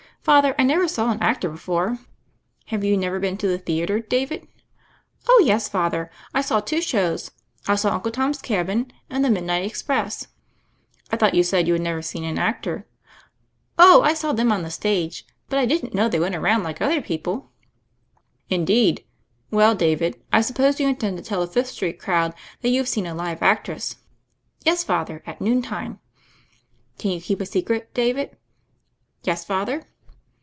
"Father, I never saw an actor before!" "Have you never been to the theatre, Davidr THE FAIRY OF THE SNOWS 143 "Oh, yes, Father; I saw two shows. I saw Uncle Tom's Cabin and The Midnight Ex press." "I thought you said you had never seen an actor?" "Oh, I saw them on the stace. But I didn't know they went around like other people." "Indeed I Well, David, I suppose you in tend to tell the Fifth Street hill crowd that you've seen a live actress." "Yes, Father, at noon time." "Can you keep a secret, David?" "Yes, Father."